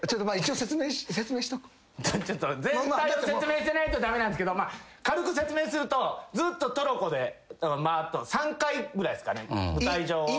全体を説明してないと駄目なんすけど軽く説明するとずっとトロッコで回って３回ぐらいっすかね舞台上を。